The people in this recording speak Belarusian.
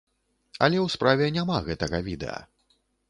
Але ў справе няма гэтага відэа.